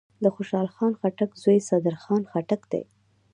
دخوشحال خان خټک زوی صدرخان خټک دﺉ.